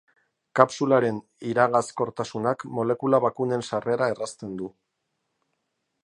Kapsularen iragazkortasunak molekula bakunen sarrera errazten du.